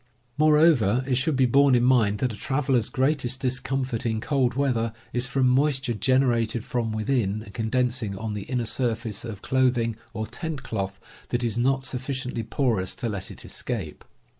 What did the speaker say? Moreover, it should be borne in mind that a traveler's greatest discomfort in cold weather is from moisture generated from within and condensing on the inner surface of clothing or tent cloth that is not sufficiently porous to let it escape.